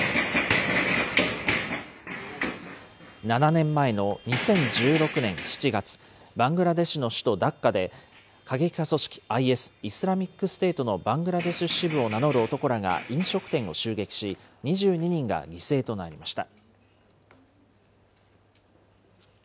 ７年前の２０１６年７月、バングラデシュの首都ダッカで過激派組織ＩＳ・イスラミックステートのバングラデシュ支部を名乗る男らが飲食店を襲撃し、２２人が犠牲となりました。